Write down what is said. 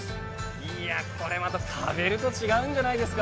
これまた食べると違うんじゃないですか？